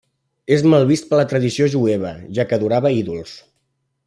És mal vist per la tradició jueva, ja que adorava ídols.